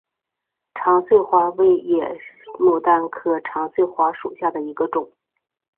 长穗花为野牡丹科长穗花属下的一个种。